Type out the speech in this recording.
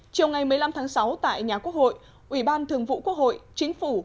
chiều ngày một mươi năm tháng sáu tại nhà quốc hội ủy ban thường vụ quốc hội chính phủ